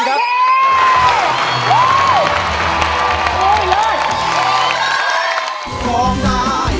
ตัวช่วย